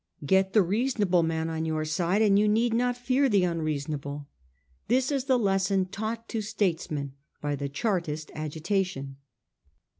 Get the reasonable men on your side, and you need not fear the unreasonable. This is the lesson taught to statesmen by the Chartist agitation.